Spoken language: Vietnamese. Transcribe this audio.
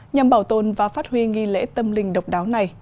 nhằm bảo tồn và phát huy nghi lễ tâm linh độc đáo này